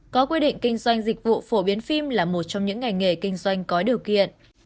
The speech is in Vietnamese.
có quy định kinh doanh dịch vụ phổ biến phim là một trong những ngành nghề kinh doanh có điều kiện